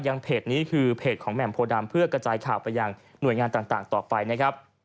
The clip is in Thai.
เพจนี้คือเพจของแหม่มโพดำเพื่อกระจายข่าวไปยังหน่วยงานต่างต่อไปนะครับ